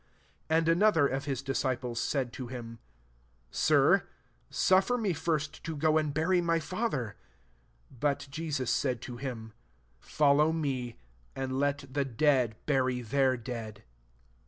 21 And ano tfc^r of his disciples said to him* *« Sir, suffer me first to go and Inury my father." ££ But Jesus sfiid to him, ^' Follow me ; and let the dead bury their dead."